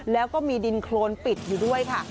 แล้วก็มีดินโครนปิดอยู่ด้วยค่ะ